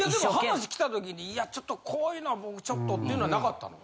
でも話きた時に「いやちょっとこういうのは僕ちょっと」っていうのはなかったの？